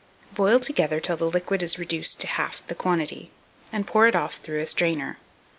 Boil together till the liquid is reduced to half the quantity, and pour it off through a strainer.